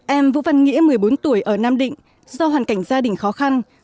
em vũ văn nghĩa một mươi bốn tuổi ở nam định do hoàn cảnh gia đình khó khăn